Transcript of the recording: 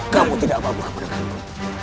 kamu tidak apa apa kepenekanku